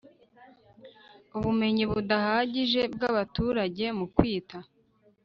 Ubumenyi budahagije bw abaturage mu kwita